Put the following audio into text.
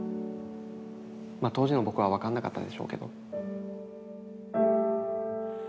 まあ当時の僕は分かんなかったでしょうけど。